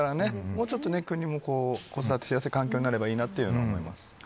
もうちょっと国も子育てしやすい環境になればいいなと思います。